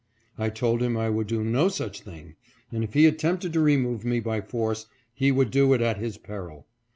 " I told him I would do no such thing, and if he attempted to remove me by force he would do it at his peril.